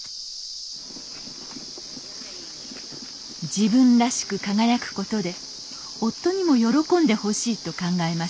自分らしく輝くことで夫にも喜んでほしいと考えました